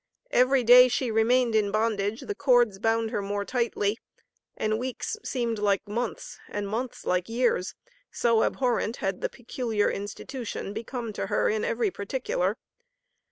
Every day she remained in bondage, the cords bound her more tightly, and "weeks seemed like months, and months like years," so abhorrent had the peculiar institution become to her in every particular.